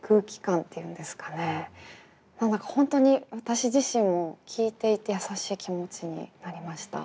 何だか本当に私自身も聴いていてやさしい気持ちになりました。